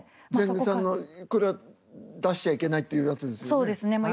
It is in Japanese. ジェンヌさんのこれは出しちゃいけないっていうやつですよね？